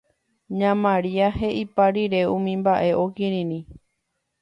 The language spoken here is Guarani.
Ña Maria he'ipa rire umi mba'e okirirĩ